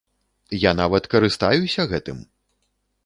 Я нават карыстаюся гэтым!